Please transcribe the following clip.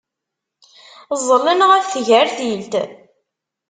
Ẓẓlen ɣef tgertilt.